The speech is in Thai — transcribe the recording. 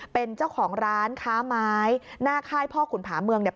เป็นเจ้าของร้านค้าไม้หน้าค่ายพ่อขุนผาเมืองเนี่ย